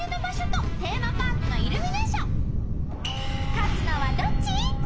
勝つのはどっち！？